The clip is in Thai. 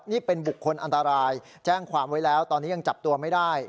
นี่เป็นบุคคลอันตรายแจ้งความไว้แล้วตอนนี้ยังจับตัวไม่ได้